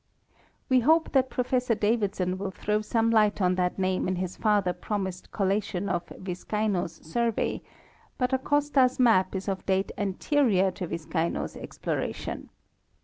We hope that Professor Davidson will throw some light on that name in his farther promised collation of Viscaino's survey; but Acosta's map is of date anterior to Viscaino's exploration.